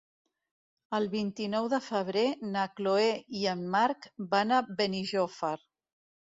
El vint-i-nou de febrer na Chloé i en Marc van a Benijòfar.